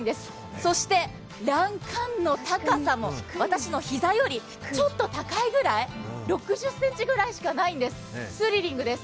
そして欄干の高さも私のひざよりちょっと高いくらい、６０ｃｍぐらいしかないんです、スリリングです。